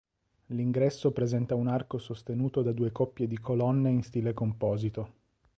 L'ingresso presenta un arco sostenuto da due coppie di colonne in stile composito.